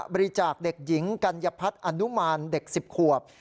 บริจาคเด็กหญิงกัญญพัฒน์อนุมานเด็ก๑๐ขวบ